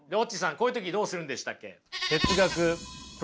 こういう時どうするんでしたっけ？